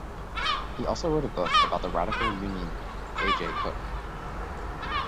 He also wrote a book about the radical union leader A. J. Cook.